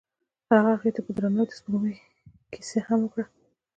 هغه هغې ته په درناوي د سپوږمۍ کیسه هم وکړه.